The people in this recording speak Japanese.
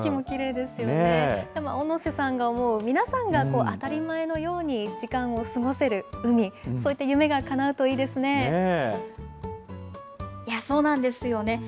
でも、小野瀬さんが思う皆さんが当たり前のように時間を過ごせる海、そういった夢がかなそうなんですよね。